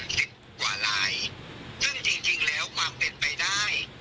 ซึ่งจริงแล้วความเป็นไปได้